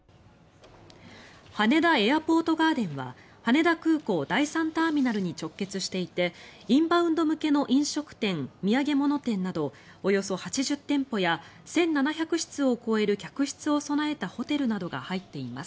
羽田エアポートガーデンは羽田空港第３ターミナルに直結していてインバウンド向けの飲食店土産物店などおよそ８０店舗や１７００室を超える客室を備えたホテルなどが入っています。